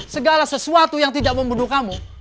segala sesuatu yang tidak membunuh kamu